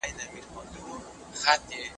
په ټولنه کي د روښانفکرانو شتون ډېر اړین دی.